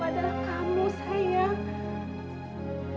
baru adalah kamu sayang